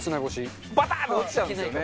バタン！って落ちちゃうんですよね。